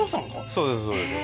そうです